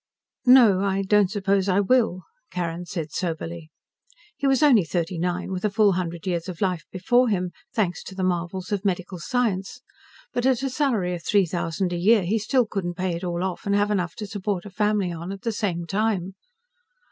"No, I don't suppose I will," Carrin said soberly. He was only thirty nine, with a full hundred years of life before him, thanks to the marvels of medical science. But at a salary of three thousand a year, he still couldn't pay it all off and have enough to support a family on at the same time.